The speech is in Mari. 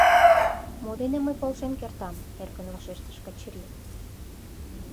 — Мо дене мый полшен кертам? — эркын вашештыш Качырий.